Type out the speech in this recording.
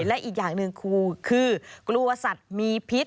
และอีกอย่างหนึ่งคือกลัวสัตว์มีพิษ